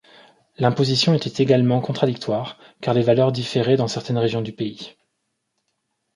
L'imposition était également contradictoire, car les valeurs différaient dans certaines régions du pays.